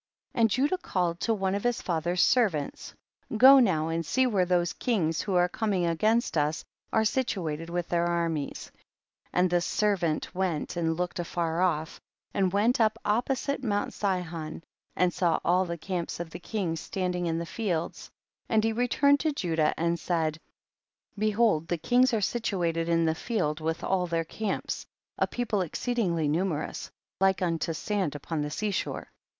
57. And Judah called to one of his father's servants, go now and see where those kings, who are coming against us, are situated with their armies. 58. And the servant went and looked far off, and went up opposite mount Sihon, and saw all the camps of the kings standing in the fields, and he returned to Judah and said, behold the kings arc situated in the field with all their camps, a people exceedingly numerous, like unto the sand upon the sea shore, 59.